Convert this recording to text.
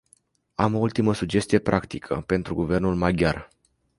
Am o ultimă sugestie practică pentru guvernul maghiar.